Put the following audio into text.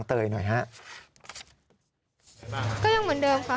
เชื่อเลยครับ